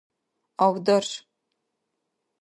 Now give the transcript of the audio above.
авдарш